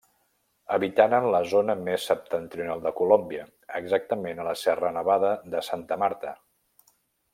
Habitaren la zona més septentrional de Colòmbia, exactament a la Serra nevada de Santa Marta.